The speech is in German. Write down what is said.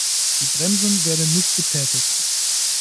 Die Bremsen werden nicht betätigt.